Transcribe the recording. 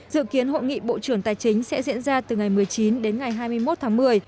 dự kiến hội nghị bộ trưởng tài chính sẽ diễn ra từ ngày một mươi chín đến ngày hai mươi một tháng một mươi